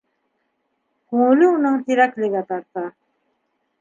Күңеле уның Тирәклегә тарта.